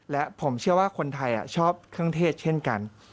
และผมเชื่อว่าคนไทยชอบเครื่องเทศเช่นกัน